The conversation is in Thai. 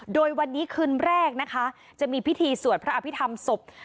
โดยวันนี้คืนแรกนะคะจะมีพิธีสวดพระอภิษฐรรมศพ